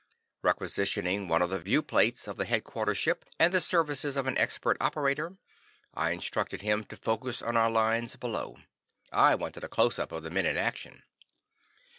Requisitioning one of the viewplates of the headquarters ship, and the services of an expert operator, I instructed him to focus on our lines below. I wanted a close up of the men in action.